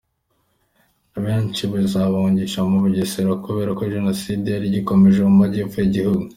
Abenshi zibahungishiriza mu Bugesera kubera ko Jenoside yari igikomeje mu Majyepfo y’Igihugu.